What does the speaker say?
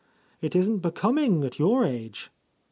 It isn't becoming, at your age."